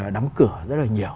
đắm cửa rất là nhiều